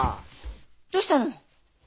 どうしたの？